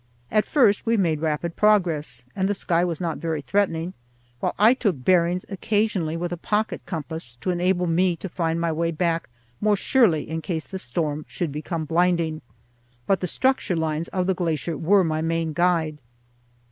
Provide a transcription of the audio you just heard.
At first we made rapid progress, and the sky was not very threatening, while I took bearings occasionally with a pocket compass to enable me to find my way back more surely in case the storm should become blinding; but the structure lines of the glacier were my main guide.